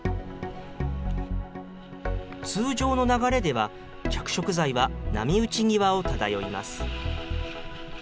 通常の流れでは、着色剤は波打ち際を漂います。